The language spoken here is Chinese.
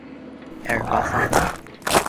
爱尔巴桑。